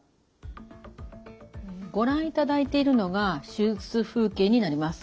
ご覧いただいているのが手術風景になります。